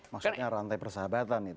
maksudnya rantai persahabatan itu